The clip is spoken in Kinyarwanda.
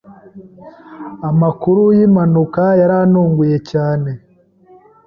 Amakuru yimpanuka yarantunguye cyane.